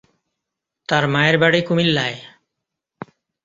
তার মায়ের বাড়ি কুমিল্লায়।